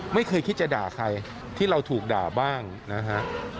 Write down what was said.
ไม่เคยคิดจะด่าใครที่เราถูกด่าบ้างนะฮะ